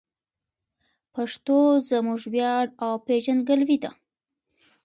پښتو زموږ ویاړ او پېژندګلوي ده.